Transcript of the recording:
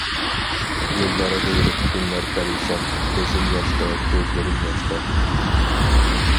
يوللار غېرىب تۈنلەر پەرىشان، كۆزۈم ياشتا كۆزلىرىم ياشتا.